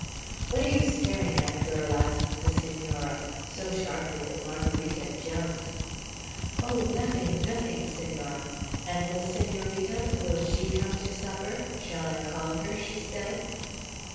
"What are you staring at, girl?" asked the Senora, so sharply that Margarita jumped. "Oh, nothing, nothing, Senora! And the Senorita, will she come to supper? Shall I call her?" she said.